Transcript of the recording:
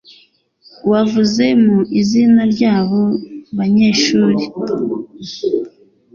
wavuze mu izina ry’abo banyeshuri